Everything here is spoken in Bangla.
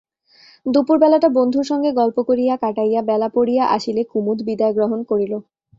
দুপুরবেলাটা বন্ধুর সঙ্গে গল্প করিয়া কাটাইয়া বেলা পড়িয়া আসিলে কুমুদ বিদায় গ্রহণ করিল।